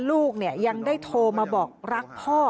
ลูกยังได้โทรมาบอกรักพ่อ